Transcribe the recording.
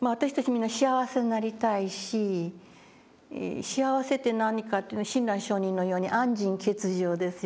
みんな幸せになりたいし幸せって何かっていうの親鸞聖人のように「安心決定」ですよね。